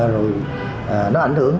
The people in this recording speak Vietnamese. rồi nó ảnh hưởng